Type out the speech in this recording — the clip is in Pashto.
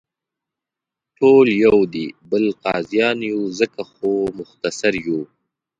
ټول یو دې بل قاضیان یو، ځکه خو مقصر یو.